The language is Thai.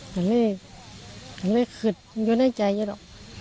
ก็เลยก็เลยขึดอยู่ในใจเยอะหรอก